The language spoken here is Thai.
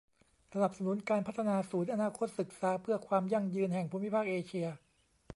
สนับสนุนการพัฒนาศูนย์อนาคตศึกษาเพื่อความยั่งยืนแห่งภูมิภาคเอเชีย